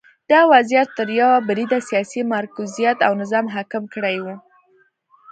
دا وضعیت تر یوه بریده سیاسي مرکزیت او نظم حاکم کړی و